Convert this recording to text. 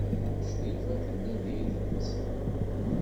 Crifa tella diri-tt.